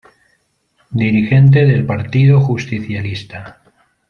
Dirigente del Partido Justicialista.